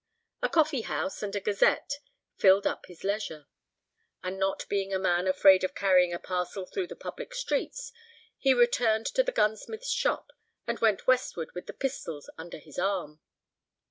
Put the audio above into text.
A coffee house and a Gazette filled up his leisure. And not being a man afraid of carrying a parcel through the public streets, he returned to the gunsmith's shop, and went westward with the pistols under his arm.